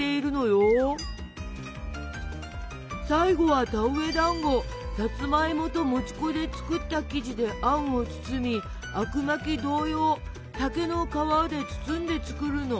最後はさつまいもともち粉で作った生地であんを包みあくまき同様竹の皮で包んで作るの。